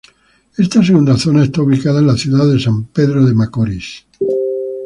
Esta segunda zona está ubicada en la ciudad de San Pedro de Macorís.